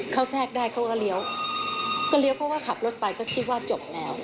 เขาแทรกได้เขาก็เลี้ยวก็เลี้ยวเพราะว่าขับรถไปก็คิดว่าจบแล้ว